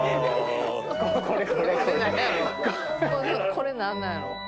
これ何なんやろ？